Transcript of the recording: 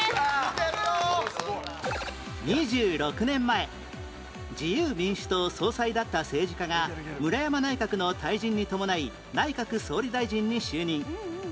２６年前自由民主党総裁だった政治家が村山内閣の退陣に伴い内閣総理大臣に就任